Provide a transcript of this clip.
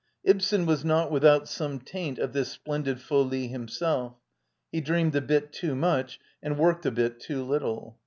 Ibsen was not without some taint of this splendid folie himself: he dreamed a bit too much and worked a bit too little.